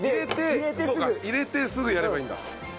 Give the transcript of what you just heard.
入れてすぐやればいいんだ。